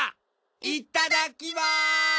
いただきます！